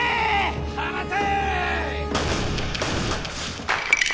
放て！